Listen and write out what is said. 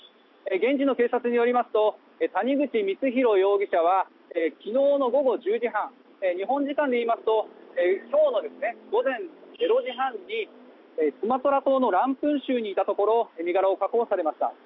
現地の警察によりますと谷口光弘容疑者は昨日の午後１０時半日本時間でいいますと今日の午前０時半にスマトラ島にいたところ身柄を確保されました。